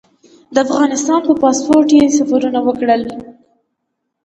د افغانستان په پاسپورټ یې سفرونه وکړل.